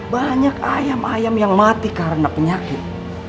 banyak ayam ayam yang mati karena penyakit